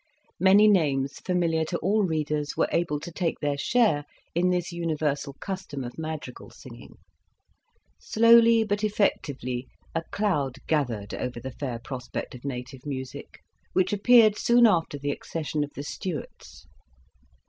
Many names familiar to all readers were able to take their share in this universal custom of madrigal singing. Slowly but effectively a cloud gathered over the fair prospect of native music, which appeared soon after the accession of the Stuarts.